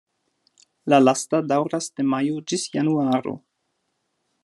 La lasta daŭras de majo ĝis januaro.